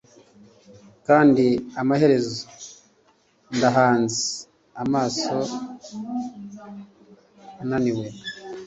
Kandi amaherezo ndahanze amaso ananiwe